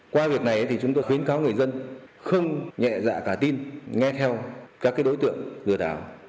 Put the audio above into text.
qua việc này thì chúng tôi khuyến cáo người dân không nhẹ dạ cả tin nghe theo các đối tượng lừa đảo